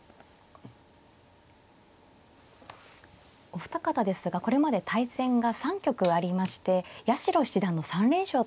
お二方ですがこれまで対戦が３局ありまして八代七段の３連勝となっています。